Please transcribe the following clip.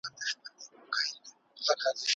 هرځل چې زغم وي، کرکه نه پیاوړې کېږي.